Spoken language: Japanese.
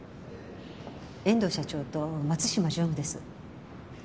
遠藤社長と松島常務です。